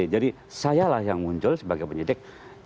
jadi saya lah yang muncul sebagai penyidik